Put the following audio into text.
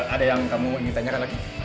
ada yang kamu ingin tanyakan lagi